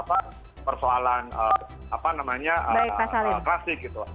ini persoalan apa namanya klasik gitu